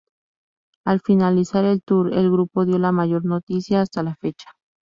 Al finalizar el tour, el grupo dio la mayor noticia hasta la fecha.